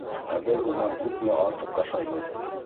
Ә беҙ унан күпме артыҡ ашайбыҙ?!